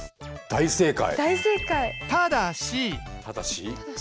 大正解。